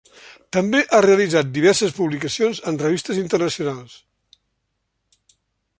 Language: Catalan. També ha realitzat diverses publicacions en revistes internacionals.